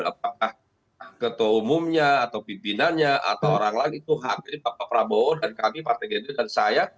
apakah ketua umumnya atau pimpinannya atau orang lain itu haknya bapak prabowo dan kami partai gerindra dan saya